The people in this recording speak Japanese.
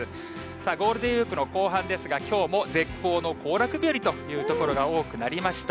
さあ、ゴールデンウィークの後半ですが、きょうも絶好の行楽日和という所が多くなりました。